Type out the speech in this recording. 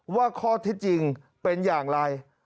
ว่าข้อที่จริงเป็นอย่างไร